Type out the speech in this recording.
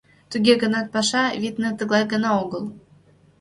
Туге гынат паша, витне, тыглай гына огыл.